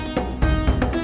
sampai jumpa lagi